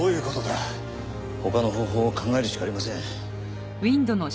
他の方法を考えるしかありません。